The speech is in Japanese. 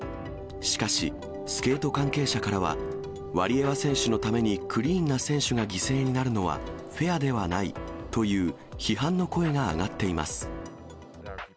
しかし、スケート関係者からは、ワリエワ選手のために、クリーンな選手が犠牲になるのは、フェアではないという批判の声が上がっています。